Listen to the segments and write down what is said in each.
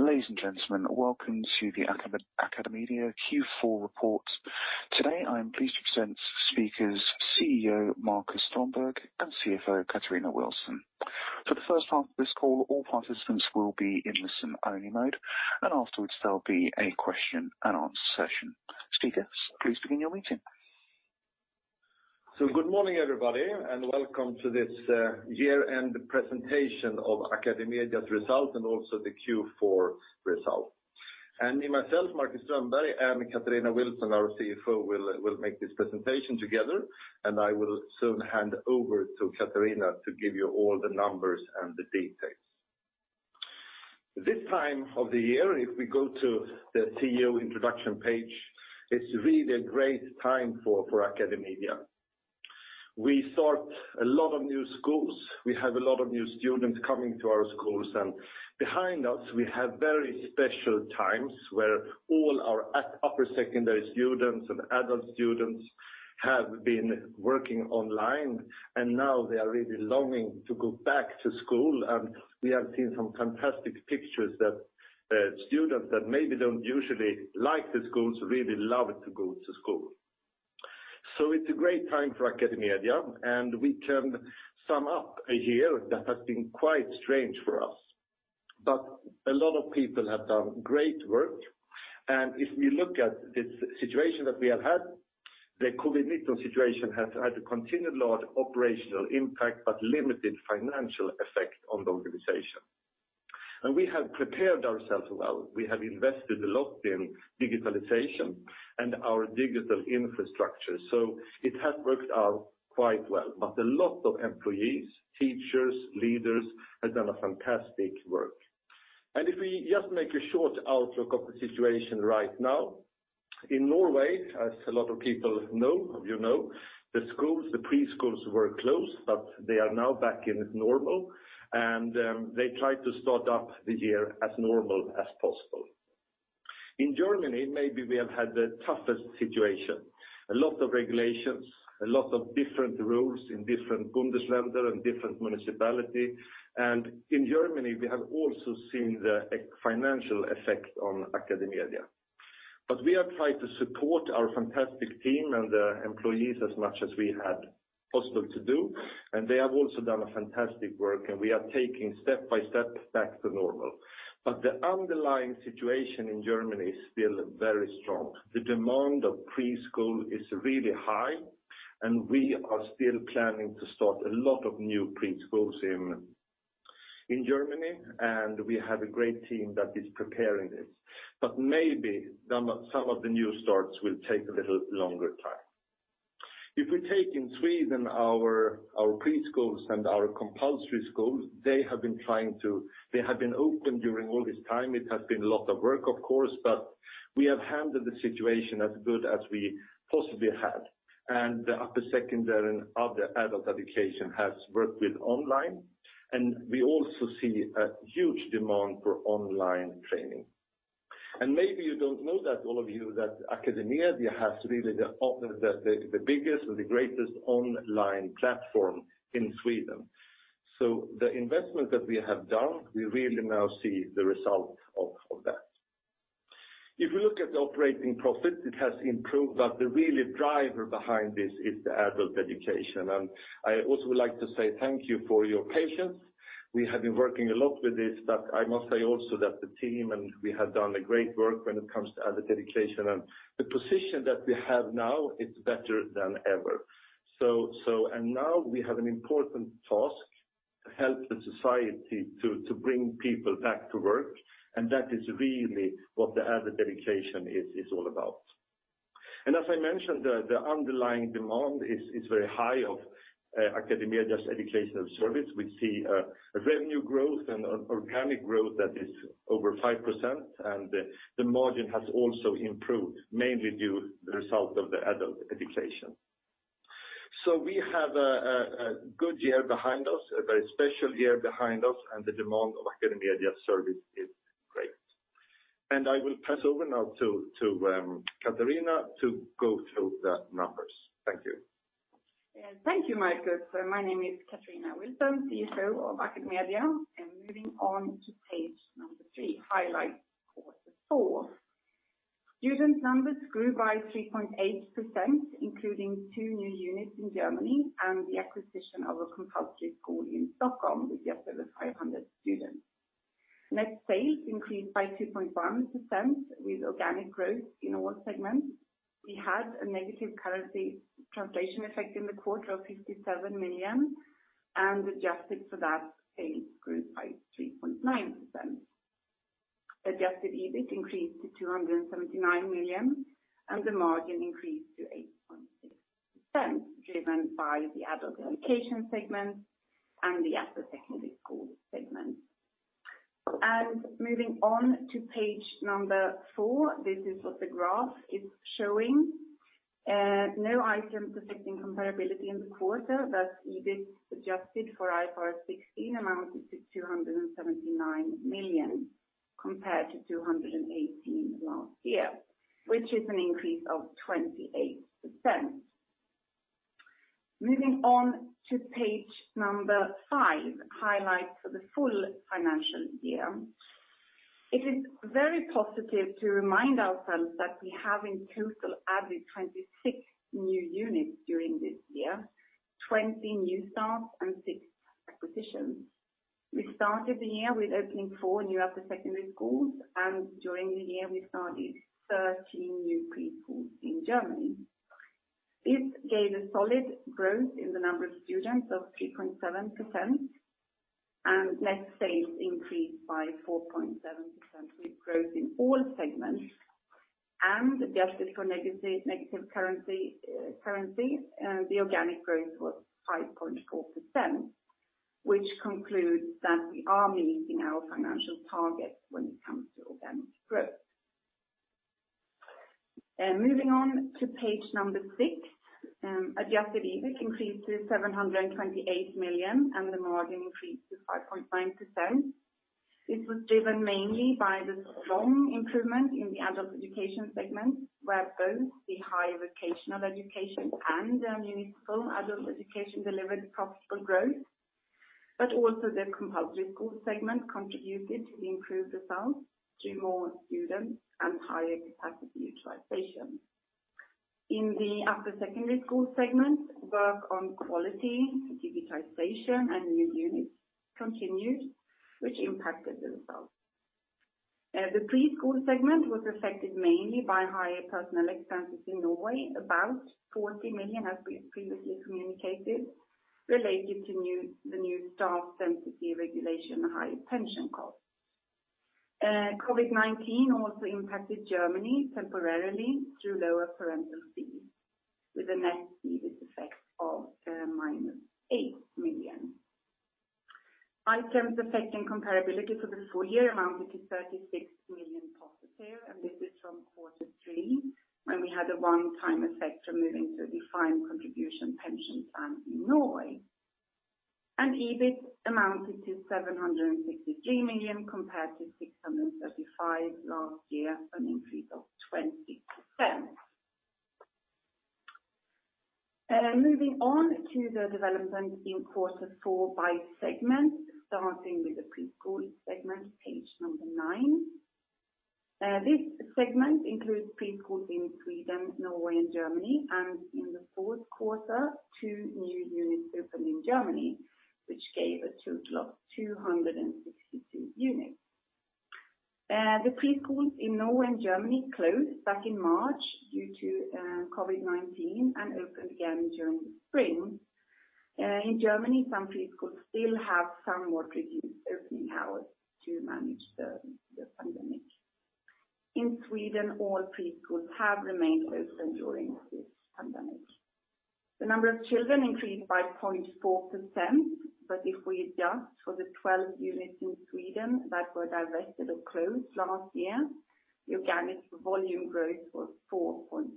Ladies and gentlemen, welcome to the AcadeMedia Q4 report. Today, I am pleased to present speakers, CEO Marcus Strömberg and CFO Katarina Wilson. For the first part of this call, all participants will be in listen-only mode, and afterwards, there'll be a question and answer session. Speakers, please begin your meeting. Good morning, everybody, and welcome to this year-end presentation of AcadeMedia's results and also the Q4 results. Me myself, Marcus Strömberg, and Katarina Wilson, our CFO, will make this presentation together, and I will soon hand over to Katarina to give you all the numbers and the details. This time of the year, if we go to the CEO introduction page, it's really a great time for AcadeMedia. We start a lot of new schools. We have a lot of new students coming to our schools. Behind us, we have very special times where all our upper secondary students and adult students have been working online, and now they are really longing to go back to school. We have seen some fantastic pictures that students that maybe don't usually like the schools really love to go to school. It's a great time for AcadeMedia, and we can sum up a year that has been quite strange for us. A lot of people have done great work. If we look at this situation that we have had, the COVID-19 situation has had a continued large operational impact but limited financial effect on the organization. We have prepared ourselves well. We have invested a lot in digitalization and our digital infrastructure. It has worked out quite well. A lot of employees, teachers, leaders have done a fantastic work. If we just make a short outlook of the situation right now, in Norway, as a lot of people know, you know, the schools, the preschools were closed, but they are now back in normal, and they try to start up the year as normal as possible. In Germany, maybe we have had the toughest situation. A lot of regulations, a lot of different rules in different Bundesländer and different municipality. In Germany, we have also seen the financial effect on AcadeMedia. We have tried to support our fantastic team and the employees as much as we had possible to do, and they have also done a fantastic work, and we are taking step by step back to normal. The underlying situation in Germany is still very strong. The demand of preschool is really high, and we are still planning to start a lot of new preschools in Germany, and we have a great team that is preparing it. Maybe some of the new starts will take a little longer time. If we take in Sweden our preschools and our compulsory schools, they have been open during all this time. It has been a lot of work, of course, but we have handled the situation as good as we possibly had. The upper secondary and other adult education has worked with online, and we also see a huge demand for online training. Maybe you don't know that all of you, that AcadeMedia has really the biggest and the greatest online platform in Sweden. The investment that we have done, we really now see the result of that. If we look at the operating profit, it has improved, but the real driver behind this is the adult education. I also would like to say thank you for your patience. We have been working a lot with this, but I must say also that the team and we have done great work when it comes to adult education, and the position that we have now is better than ever. Now we have an important task to help the society to bring people back to work, and that is really what the adult education is all about. As I mentioned, the underlying demand is very high of AcadeMedia's educational service. We see a revenue growth and organic growth that is over 5%, and the margin has also improved, mainly due to the result of the adult education. We have a good year behind us, a very special year behind us, and the demand of AcadeMedia's service is great. I will pass over now to Katarina to go through the numbers. Thank you. Thank you, Marcus. My name is Katarina Wilson, CFO of AcadeMedia, and moving on to page number three, highlights for the fourth. Student numbers grew by 3.8%, including two new units in Germany and the acquisition of a compulsory school in Stockholm with just over 500 students. Net sales increased by 2.1% with organic growth in all segments. We had a negative currency translation effect in the quarter of 57 million, and adjusted for that, sales grew by 3.9%. Adjusted EBIT increased to 279 million, and the margin increased to 8.6%, driven by the adult education segment and the upper secondary school segment. Moving on to page number four, this is what the graph is showing. No item affecting comparability in the quarter, thus EBIT adjusted for IFRS 16 amounted to 279 million compared to 218 last year, which is an increase of 28%. Moving on to page number five, highlights for the full financial year. It is very positive to remind ourselves that we have in total added 26 new units during this year, 20 new starts, and six acquisitions. We started the year with opening four new upper-secondary schools, and during the year we started 13 new preschools in Germany. This gave a solid growth in the number of students of 3.7%, and net sales increased by 4.7% with growth in all segments. Adjusted for negative currency, the organic growth was 5.4%, which concludes that we are meeting our financial targets when it comes to organic growth. Moving on to page number six. Adjusted EBIT increased to 728 million, and the margin increased to 5.9%. This was driven mainly by the strong improvement in the adult education segment, where both the higher vocational education and the municipal adult education delivered profitable growth. Also the compulsory school segment contributed to the improved results through more students and higher capacity utilization. In the upper secondary school segment, work on quality, digitization, and new units continued, which impacted the results. The preschool segment was affected mainly by higher personnel expenses in Norway. About 40 million, as we previously communicated, related to the new staff density regulation, the higher pension cost. COVID-19 also impacted Germany temporarily through lower parental fees, with a net EBIT effect of minus 8 million. Items affecting comparability for the full year amounted to 36 million positive, this is from quarter three, when we had a one-time effect from moving to a defined contribution pension plan in Norway. EBIT amounted to 763 million compared to 635 million last year, an increase of 20%. Moving on to the development in quarter four by segment, starting with the preschool segment, page nine. This segment includes preschools in Sweden, Norway, and Germany, in the fourth quarter, two new units opened in Germany, which gave a total of 262 units. The preschools in Norway and Germany closed back in March due to COVID-19 and opened again during the spring. In Germany, some preschools still have somewhat reduced opening hours to manage the pandemic. In Sweden, all preschools have remained open during this pandemic. The number of children increased by 0.4%, if we adjust for the 12 units in Sweden that were divested or closed last year, the organic volume growth was 4.2%.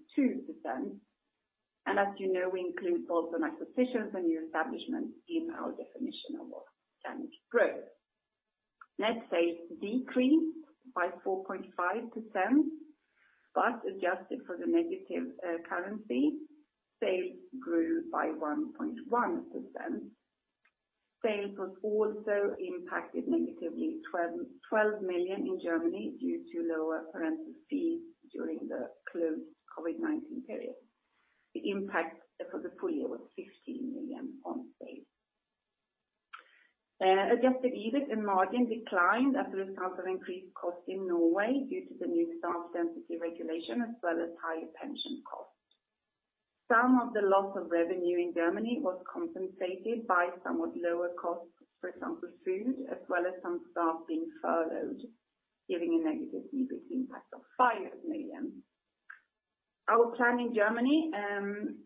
As you know, we include both acquisitions and new establishments in our definition of organic growth. Net sales decreased by 4.5%, adjusted for the negative currency, sales grew by 1.1%. Sales was also impacted negatively 12 million in Germany due to lower parental fees during the closed COVID-19 period. The impact for the full year was 16 million on sales. Adjusted EBIT and margin declined as a result of increased cost in Norway due to the new staff density regulation as well as higher pension cost. Some of the loss of revenue in Germany was compensated by somewhat lower costs, for example, food, as well as some staff being furloughed, giving a negative EBIT impact of 5 million. Our plan in Germany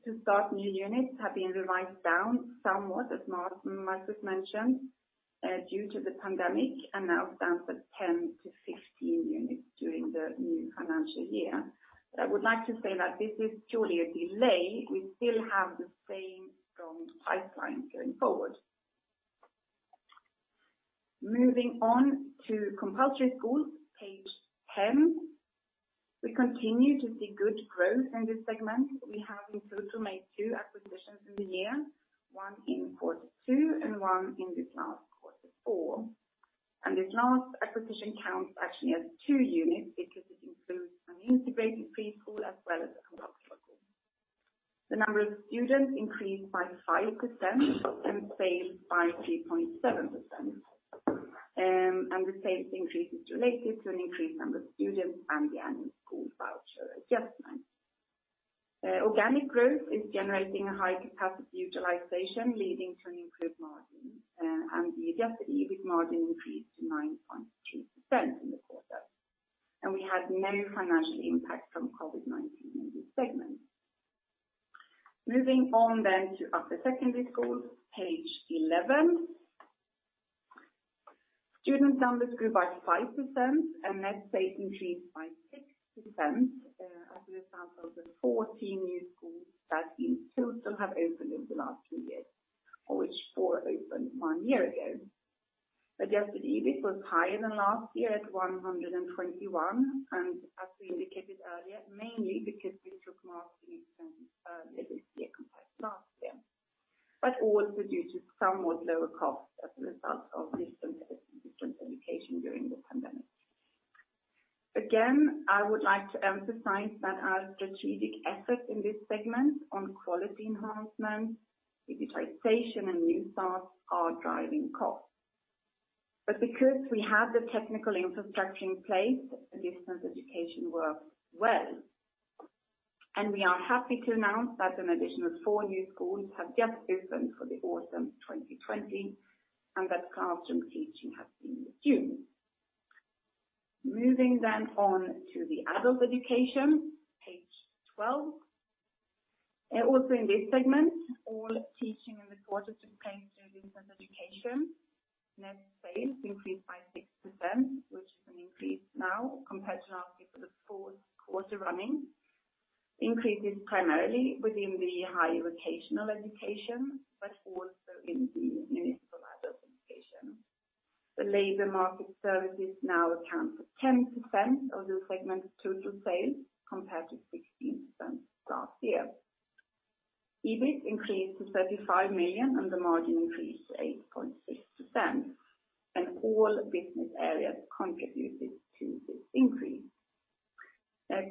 to start new units have been revised down somewhat, as Marcus mentioned, due to the pandemic, now stands at 10-15 units during the new financial year. I would like to say that this is truly a delay. We still have the same strong pipeline going forward. Moving on to compulsory schools, page ten. We continue to see good growth in this segment. We have in total made two acquisitions in the year, one in quarter two and one in this last quarter four. This last acquisition counts actually as two units because it includes an integrated preschool as well as a compulsory school. The number of students increased by 5% and sales by 3.7%. The sales increase is related to an increased number of students and the annual school voucher adjustment. Organic growth is generating a high capacity utilization, leading to an improved margin, and the adjusted EBIT margin increased to 9.3% in the quarter. We had no financial impact from COVID-19 in this segment. Moving on to upper secondary schools, page 11. Student numbers grew by 5% and net sales increased by 6%, as a result of the 14 new schools that in total have opened in the last year. Which four opened one year ago. Adjusted EBIT was higher than last year at 121, and as we indicated earlier, mainly because we took mark-to-market last year. Also due to somewhat lower costs as a result of distance education during the pandemic. Again, I would like to emphasize that our strategic efforts in this segment on quality enhancement, digitization, and new starts are driving costs. Because we have the technical infrastructure in place, the distance education works well. We are happy to announce that an additional four new schools have just opened for the autumn 2020, and that classroom teaching has been resumed. Moving on to the adult education, page 12. Also in this segment, all teaching in the quarter took place through distance education. Net sales increased by 6%, which is an increase now compared to last year for the fourth quarter running. Increases primarily within the higher vocational education, but also in the municipal adult education. The labor market services now account for 10% of the segment's total sales, compared to 16% last year. EBIT increased to 35 million and the margin increased to 8.6%, and all business areas contributed to this increase.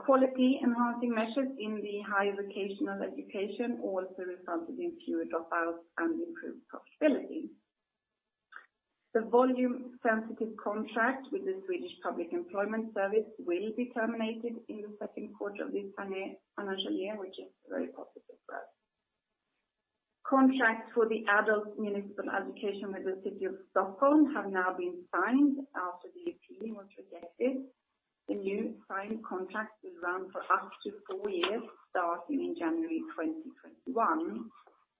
Quality enhancing measures in the higher vocational education also resulted in fewer dropouts and improved profitability. The volume sensitive contract with the Swedish Public Employment Service will be terminated in the second quarter of this financial year, which is very positive for us. Contracts for the municipal adult education with the City of Stockholm have now been signed after the appeal was rejected. The new signed contract will run for up to four years, starting in January 2021,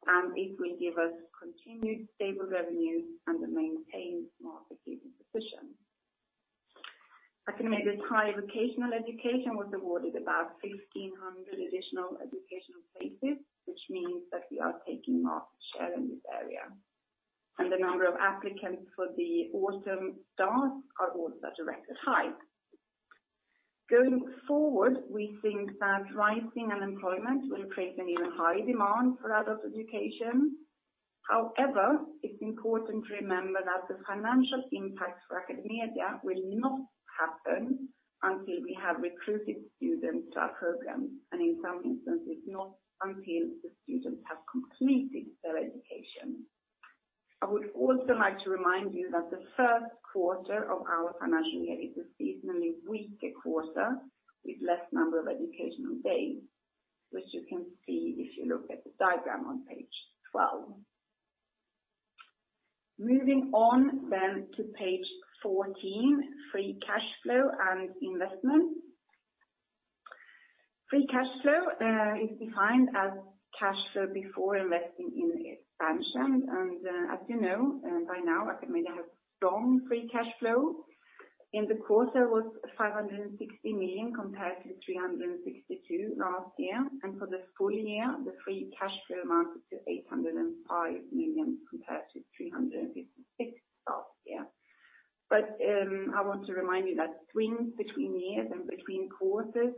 and it will give us continued stable revenue and a maintained market-leading position. AcadeMedia's higher vocational education was awarded about 1,500 additional educational spaces, which means that we are taking market share in this area. The number of applicants for the autumn start are also at a record high. Going forward, we think that rising unemployment will create an even higher demand for adult education. However, it's important to remember that the financial impact for AcadeMedia will not happen until we have recruited students to our programs, and in some instances, not until the students have completed their education. I would also like to remind you that the first quarter of our financial year is a seasonally weaker quarter with less number of educational days, which you can see if you look at the diagram on page 12. Moving on to page 14, free cash flow and investment. Free cash flow is defined as cash flow before investing in expansion, and as you know by now, AcadeMedia has strong free cash flow. In the quarter it was 560 million compared to 362 last year. For the full year, the free cash flow amounted to 805 million compared to 356 last year. I want to remind you that swings between years and between quarters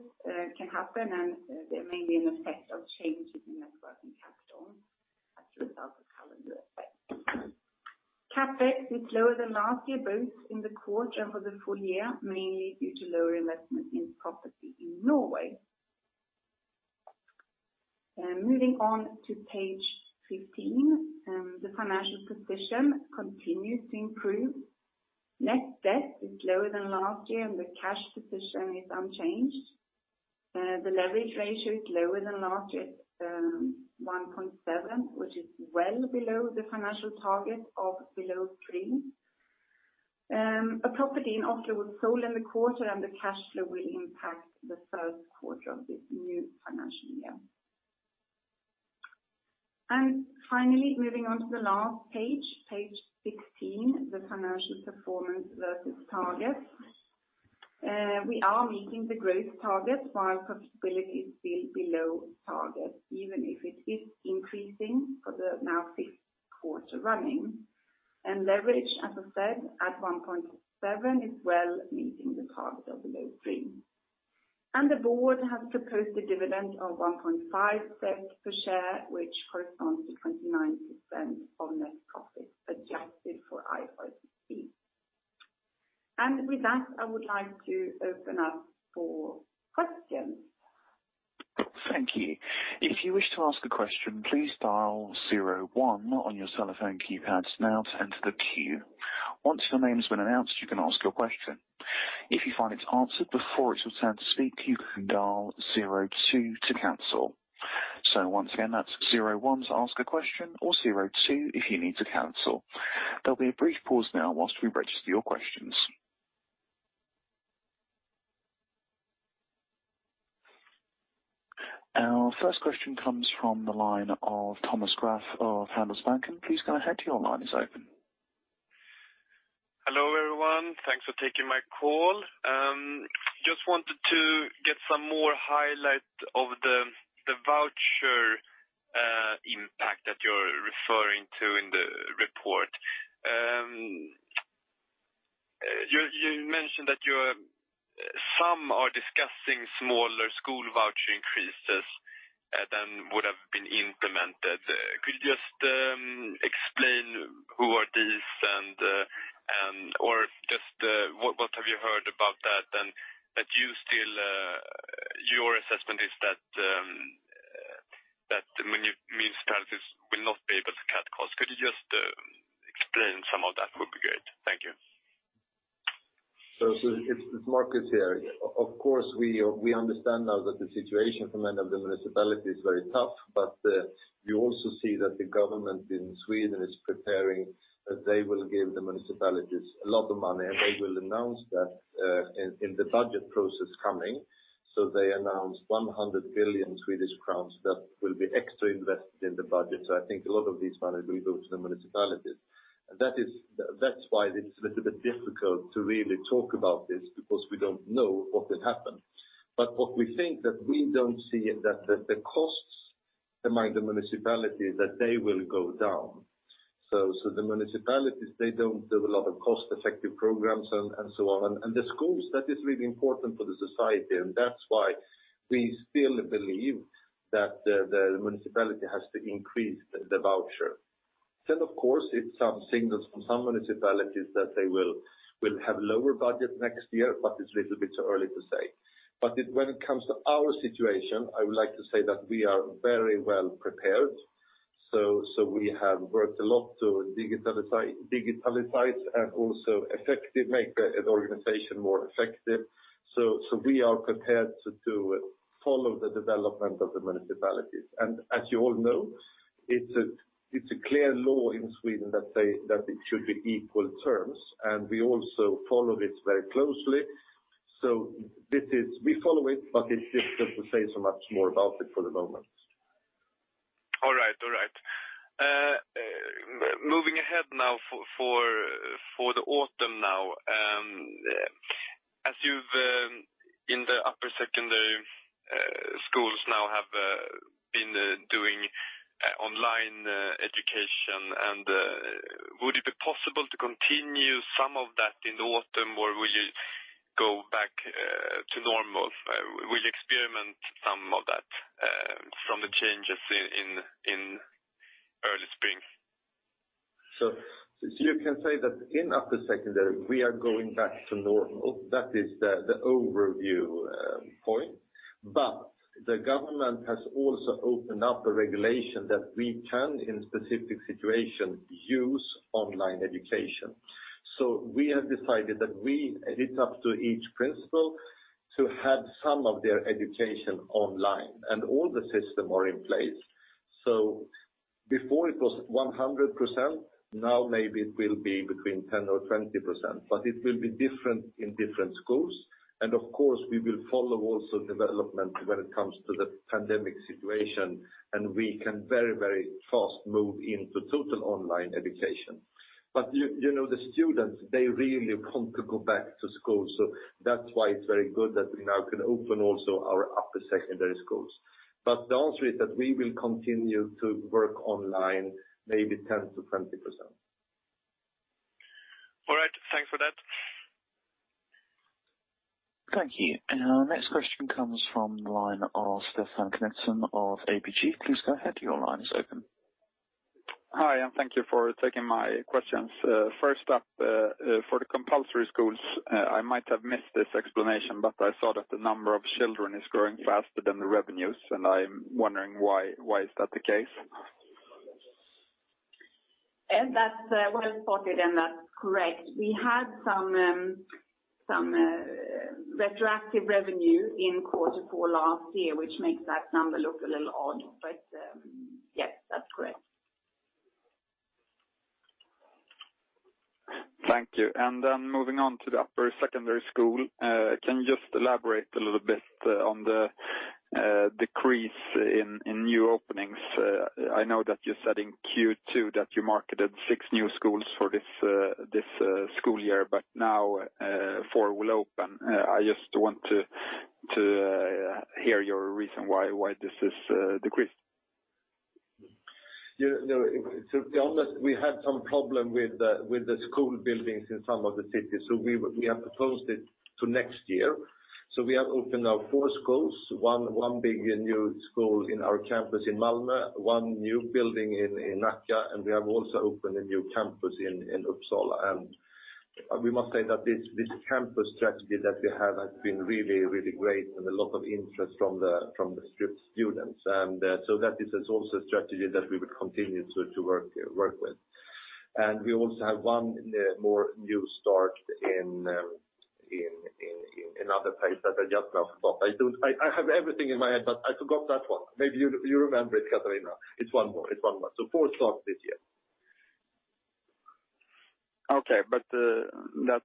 can happen, and there may be an effect of changes in net working capital as a result of calendar effects. CapEx is lower than last year, both in the quarter and for the full year, mainly due to lower investment in property in Norway. Moving on to page 15, the financial position continues to improve. Net debt is lower than last year and the cash position is unchanged. The leverage ratio is lower than last year at 1.7, which is well below the financial target of below three. A property in Oslo was sold in the quarter and the cash flow will impact the first quarter of this new financial year. Finally, moving on to the last page 16, the financial performance versus targets. We are meeting the growth target while profitability is still below target, even if it is increasing for the now fifth quarter running. Leverage, as I said, at 1.7 is well meeting the target of below three. The board has proposed a dividend of 1.50 per share, which corresponds to 29% of net profit adjusted for IFRIC. With that, I would like to open up for questions. Thank you. If you wish to ask a question, please dial 01 on your telephone keypads now to enter the queue. Once your name has been announced, you can ask your question. If you find it's answered before it's your turn to speak, you can dial 02 to cancel. Once again, that's 01 to ask a question or 02 if you need to cancel. There'll be a brief pause now whilst we register your questions. Our first question comes from the line of Thomas Graf of Handelsbanken. Please go ahead, your line is open. Thanks for taking my call. Just wanted to get some more highlight of the voucher impact that you're referring to in the report. You mentioned that some are discussing smaller school voucher increases than would have been implemented. Could you just explain who are these, or just what have you heard about that? That your assessment is that municipalities will not be able to cut costs. Could you just explain some of that would be great. Thank you. It's Marcus here. Of course, we understand now that the situation for many of the municipalities is very tough. You also see that the government in Sweden is preparing, they will give the municipalities a lot of money, and they will announce that in the budget process coming. They announced 100 billion Swedish crowns that will be extra invested in the budget. I think a lot of these money will go to the municipalities. That's why it's a little bit difficult to really talk about this because we don't know what will happen. What we think that we don't see that the costs among the municipalities, that they will go down. The municipalities, they don't do a lot of cost-effective programs and so on. The schools, that is really important for the society, and that's why we still believe that the municipality has to increase the voucher. Of course, it's some signals from some municipalities that they will have a lower budget next year, but it's a little bit early to say. When it comes to our situation, I would like to say that we are very well prepared. We have worked a lot to digitalize and also make an organization more effective. We are prepared to follow the development of the municipalities. As you all know, it's a clear law in Sweden that it should be equal terms, and we also follow this very closely. We follow it, but it's difficult to say so much more about it for the moment. All right. Moving ahead now, for the autumn now. As you've in the Upper Secondary Schools now have been doing online education and would it be possible to continue some of that in the autumn or will you go back to normal? Will you experiment some of that from the changes in early spring? You can say that in Upper Secondary, we are going back to normal. That is the overview point. The government has also opened up a regulation that we can, in specific situations, use online education. We have decided that it's up to each principal to have some of their education online, and all the systems are in place. Before it was 100%, now maybe it will be between 10% or 20%, but it will be different in different schools. Of course, we will follow also development when it comes to the pandemic situation, and we can very fast move into total online education. The students, they really want to go back to school, so that's why it's very good that we now can open also our Upper Secondary Schools. The answer is that we will continue to work online, maybe 10%-20%. All right. Thanks for that. Thank you. Next question comes from the line of Stefan Knutsson of ABG. Please go ahead. Your line is open. Hi, and thank you for taking my questions. First up, for the compulsory schools, I might have missed this explanation, but I saw that the number of children is growing faster than the revenues, and I'm wondering why is that the case? That's well spotted, and that's correct. We had some retroactive revenue in quarter four last year, which makes that number look a little odd. Yes, that's correct. Thank you. Moving on to the Upper Secondary School. Can you just elaborate a little bit on the decrease in new openings? I know that you said in Q2 that you marketed six new schools for this school year, but now four will open. I just want to hear your reason why this is decreased? To be honest, we had some problem with the school buildings in some of the cities, we have postponed it to next year. We have opened now four schools, one big new school in our campus in Malmö, one new building in Nacka, and we have also opened a new campus in Uppsala. We must say that this campus strategy that we have has been really great and a lot of interest from the students. So that is also a strategy that we would continue to work with. We also have one more new start in other place that I just now forgot. I have everything in my head, but I forgot that one. Maybe you remember it, Katarina. It's one more. So four starts this year. Okay.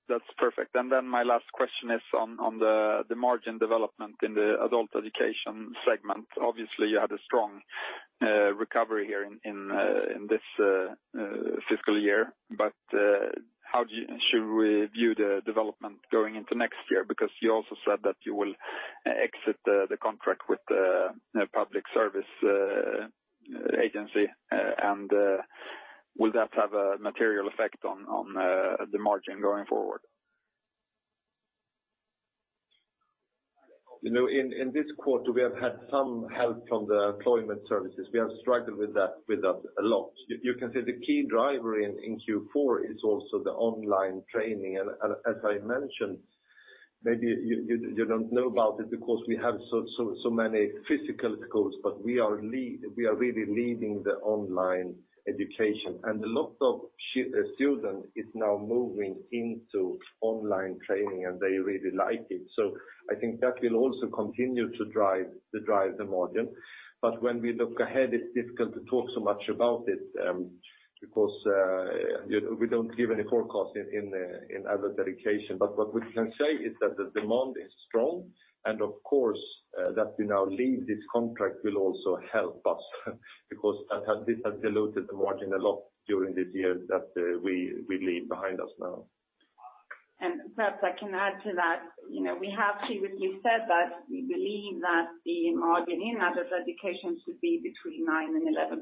That's perfect. My last question is on the margin development in the Adult Education segment. Obviously, you had a strong recovery here in this fiscal year. How should we view the development going into next year? Because you also said that you will exit the contract with the Public Service Agency, will that have a material effect on the margin going forward? In this quarter, we have had some help from the employment services. We have struggled with that a lot. You can say the key driver in Q4 is also the online training. As I mentioned, maybe you don't know about it because we have so many physical schools, but we are really leading the online education. A lot of students is now moving into online training, and they really like it. I think that will also continue to drive the margin. When we look ahead, it's difficult to talk so much about it, because we don't give any forecast in Adult Education. What we can say is that the demand is strong, of course, that we now leave this contract will also help us because this has diluted the margin a lot during this year that we leave behind us now. Perhaps I can add to that. We have previously said that we believe that the margin in Adult Education should be between 9% and 11%,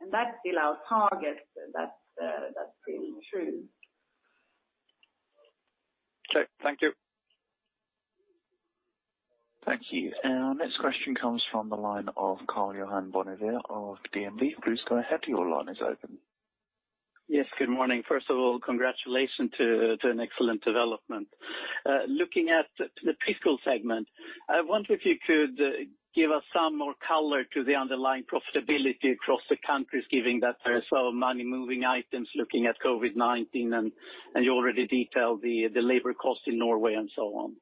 and that's still our target. That's pretty true. Okay. Thank you. Thank you. Our next question comes from the line of Karl-Johan Bonnevier of DNB. Please go ahead. Your line is open. Yes, good morning. First of all, congratulations to an excellent development. Looking at the preschool segment, I wonder if you could give us some more color to the underlying profitability across the countries, given that there are so many moving items, looking at COVID-19, and you already detailed the labor cost in Norway and so on.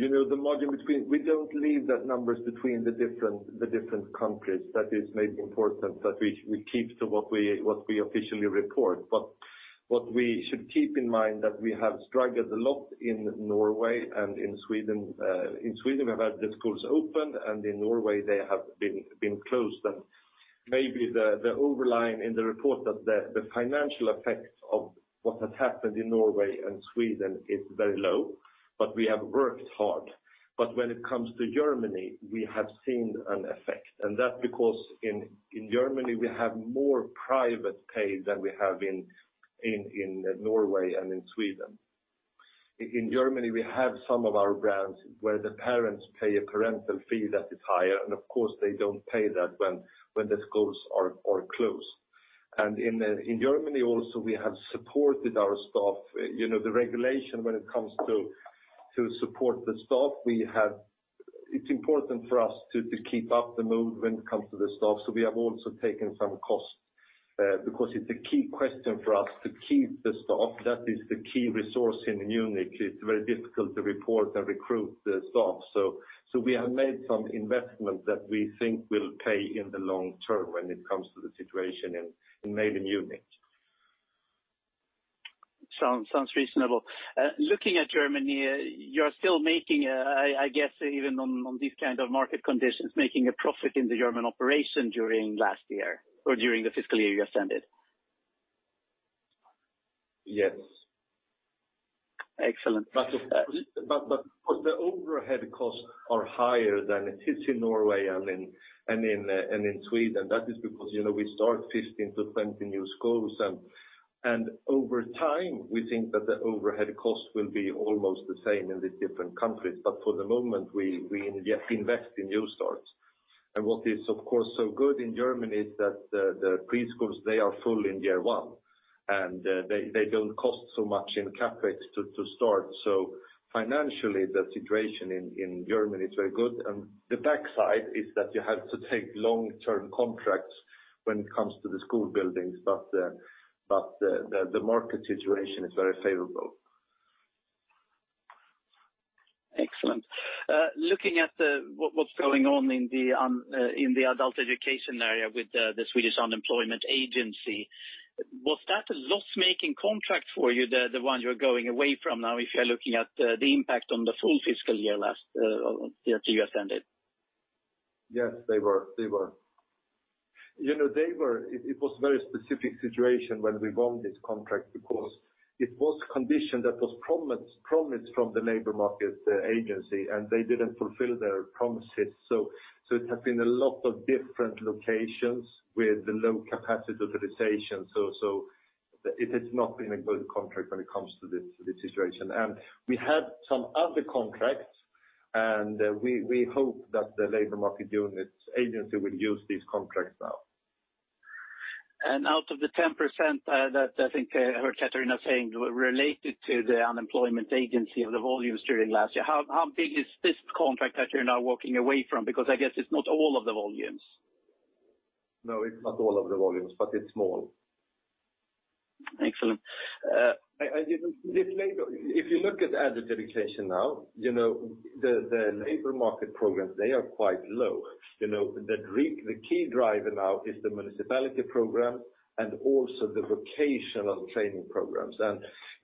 We don't leave the numbers between the different countries. That is maybe important that we keep to what we officially report. What we should keep in mind is that we have struggled a lot in Norway and in Sweden. In Sweden, we've had the schools open, in Norway they have been closed. Maybe the overlying in the report is that the financial effects of what has happened in Norway and Sweden is very low, but we have worked hard. When it comes to Germany, we have seen an effect, and that's because in Germany, we have more private pay than we have in Norway and in Sweden. In Germany, we have some of our brands where the parents pay a parental fee that is higher, and of course, they don't pay that when the schools are closed. In Germany also, we have supported our staff. The regulation when it comes to support the staff, it's important for us to keep up the mood when it comes to the staff. We have also taken some costs, because it's a key question for us to keep the staff. That is the key resource in Munich. It's very difficult to recruit the staff. We have made some investments that we think will pay in the long term when it comes to the situation in maybe Munich. Sounds reasonable. Looking at Germany, you are still making, I guess, even on these kind of market conditions, making a profit in the German operation during last year or during the fiscal year you ended. Yes. Excellent. The overhead costs are higher than it is in Norway and in Sweden. That is because we start 15 to 20 new schools. Over time, we think that the overhead cost will be almost the same in the different countries. For the moment, we invest in new starts. What is, of course, so good in Germany is that the preschools, they are full in year 1, and they don't cost so much in CapEx to start. Financially, the situation in Germany is very good. The backside is that you have to take long-term contracts when it comes to the school buildings, but the market situation is very favorable. Excellent. Looking at what's going on in the adult education area with the Swedish Public Employment Service, was that a loss-making contract for you, the one you're going away from now, if you're looking at the impact on the full fiscal year? Yes, they were. It was very specific situation when we won this contract because it was a condition that was promised from the Swedish Public Employment Service, and they didn't fulfill their promises. It has been a lot of different locations with low capacity utilization. It has not been a good contract when it comes to this situation. We had some other contracts, and we hope that the Swedish Public Employment Service will use these contracts now. Out of the 10% that I think I heard Katarina saying related to the Swedish Public Employment Service of the volumes during last year, how big is this contract that you're now walking away from? I guess it's not all of the volumes. No, it's not all of the volumes, it's small. Excellent. If you look at adult education now, the labor market programs are quite low. The key driver now is the municipality program and also the vocational training programs.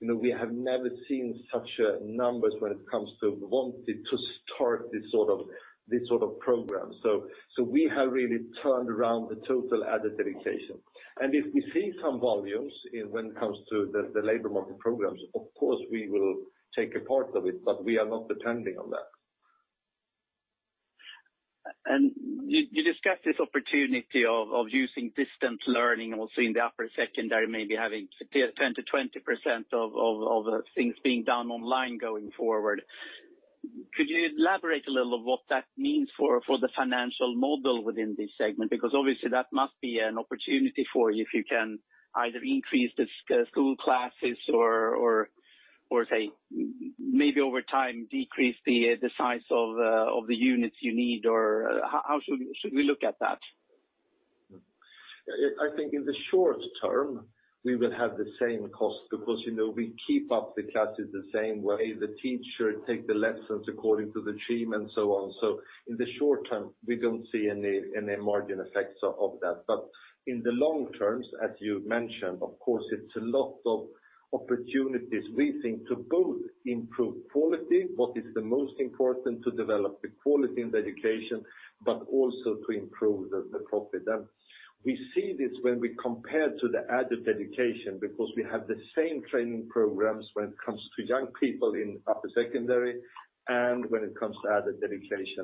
We have never seen such numbers when it comes to wanting to start this sort of program. We have really turned around the total adult education. If we see some volumes when it comes to the labor market programs, of course, we will take a part of it, but we are not depending on that. You discussed this opportunity of using distance learning also in the upper secondary, maybe having 10%-20% of things being done online going forward. Could you elaborate a little on what that means for the financial model within this segment? Obviously that must be an opportunity for you if you can either increase the school classes or, say, maybe over time decrease the size of the units you need, or how should we look at that? I think in the short term, we will have the same cost because we keep up the classes the same way the teacher take the lessons according to the team and so on. In the short term, we don't see any margin effects of that. In the long term, as you mentioned, of course, it's a lot of opportunities we think to both improve quality, what is the most important to develop the quality in the education, but also to improve the profit. We see this when we compare to the adult education because we have the same training programs when it comes to young people in upper secondary and when it comes to adult education.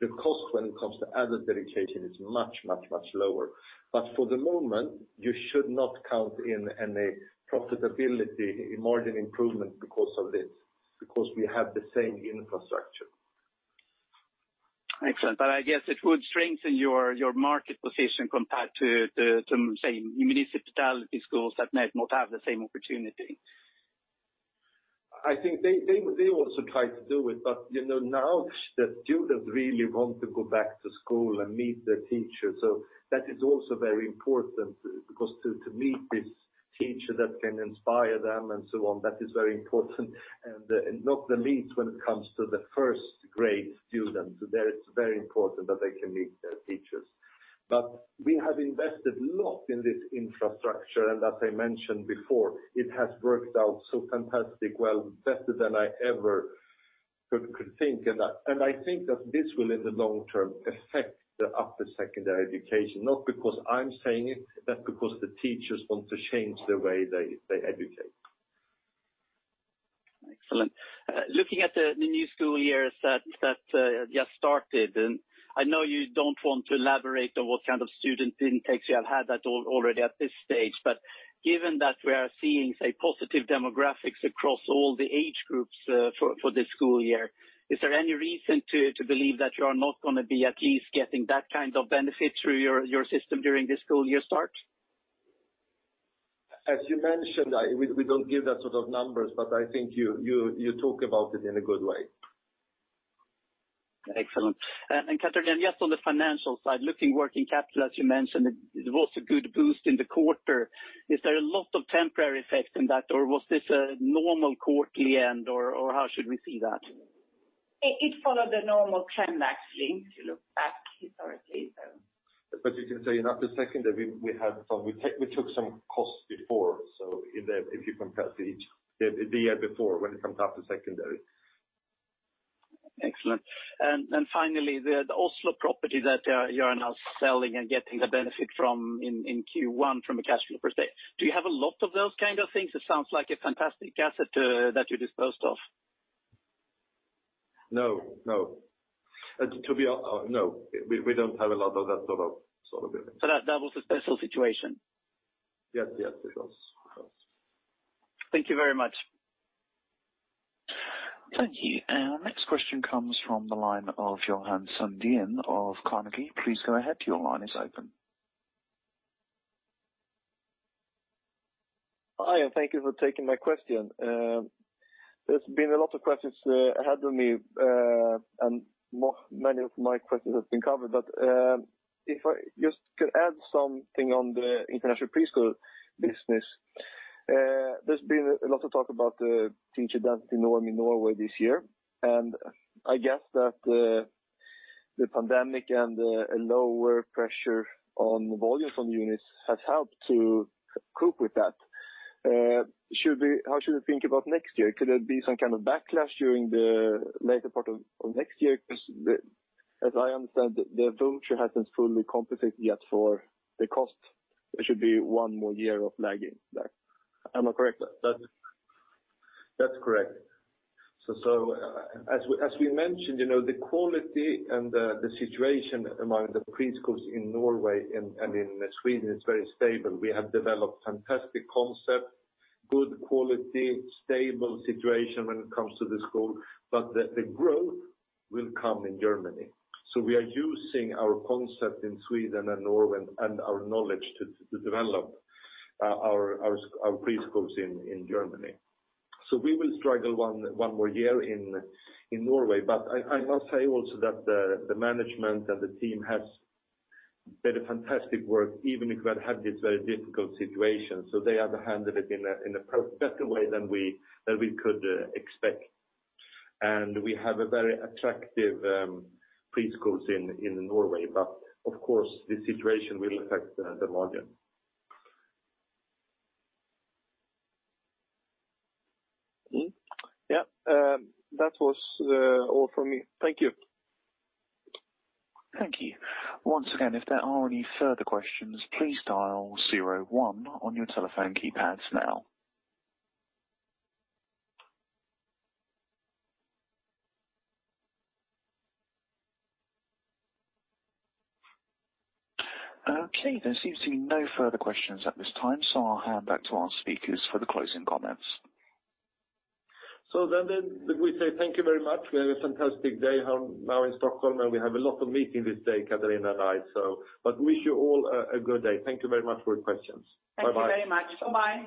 The cost when it comes to adult education is much, much, much lower. For the moment, you should not count in any profitability margin improvement because of this, because we have the same infrastructure. Excellent. I guess it would strengthen your market position compared to some, say, municipality schools that might not have the same opportunity. I think they also try to do it. Now the students really want to go back to school and meet their teachers. That is also very important because to meet this teacher that can inspire them and so on, that is very important. Not the least when it comes to the first-grade students. There it's very important that they can meet their teachers. We have invested a lot in this infrastructure, as I mentioned before, it has worked out so fantastic, well, better than I ever could think. I think that this will, in the long term, affect the upper secondary education, not because I'm saying it, but because the teachers want to change the way they educate. Excellent. Looking at the new school year that just started, I know you don't want to elaborate on what kind of student intakes you have had already at this stage. Given that we are seeing, say, positive demographics across all the age groups for this school year, is there any reason to believe that you are not going to be at least getting that kind of benefit through your system during this school year start? As you mentioned, we don't give that sort of numbers, but I think you talk about it in a good way. Excellent. Katarina, just on the financial side, looking working capital, as you mentioned, it was a good boost in the quarter. Is there a lot of temporary effects in that, or was this a normal quarterly end, or how should we see that? It followed the normal trend actually, if you look back historically. You can say in upper secondary, we took some costs before, so if you compare the year before when it comes to upper secondary. Excellent. Finally, the Oslo property that you are now selling and getting the benefit from in Q1 from a cash flow perspective. Do you have a lot of those kinds of things? It sounds like a fantastic asset that you disposed of. No, we don't have a lot of that sort of building. That was a special situation? Yes, it was. Thank you very much. Thank you. Our next question comes from the line of Johan Sundén of Carnegie. Please go ahead. Your line is open. Hi. Thank you for taking my question. There's been a lot of questions ahead of me. Many of my questions have been covered. If I just could add something on the international preschool business. There's been a lot of talk about the teacher density norm in Norway this year, and I guess that the pandemic and the lower pressure on volume from units has helped to cope with that. How should we think about next year? Could there be some kind of backlash during the later part of next year? As I understand, the voucher hasn't fully compensated yet for the cost. There should be one more year of lagging there. Am I correct? That's correct. As we mentioned, the quality and the situation among the preschools in Norway and in Sweden is very stable. We have developed fantastic concepts, good quality, stable situation when it comes to the school, but the growth will come in Germany. We are using our concept in Sweden and Norway and our knowledge to develop our preschools in Germany. We will struggle one more year in Norway. I must say also that the management and the team has done a fantastic work, even if we have had this very difficult situation. They have handled it in a better way than we could expect. We have a very attractive preschools in Norway. Of course, the situation will affect the margin. Yeah. That was all from me. Thank you. Thank you. Once again, if there are any further questions, please dial 01 on your telephone keypads now. Okay, there seems to be no further questions at this time, I'll hand back to our speakers for the closing comments. We say thank you very much. We have a fantastic day now in Stockholm, we have a lot of meetings this day, Katarina and I. Wish you all a good day. Thank you very much for your questions. Bye-bye. Thank you very much. Bye-bye.